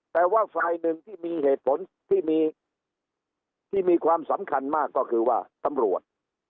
แต่ว่าฝ่ายหนึ่งที่มีเหตุผลที่มีความสำคัญมากก็คือว่าตำรวจ